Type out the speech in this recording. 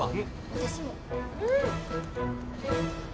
私も。